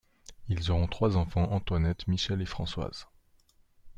Ils auront trois enfants, Antoinette, Michel et Françoise.